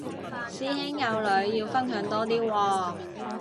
師兄有女要分享多啲喎